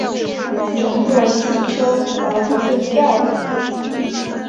乘坐汽车而不是轿子